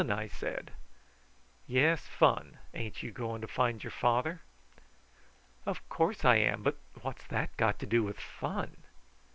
I said. "Yes, fun. Ain't you goin' to find your father?" "Of course I am; but what's that got to do with fun?"